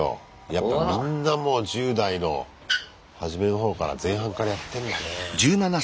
やっぱみんなもう１０代のはじめのほうから前半からやってんだね。